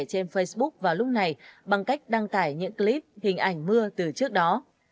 trên facebook vào lúc này bằng cách đăng tải những clip hình ảnh mưa từ trước đó